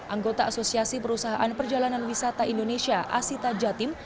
anggota asosiasi perusahaan perjalanan wisata indonesia asita jatim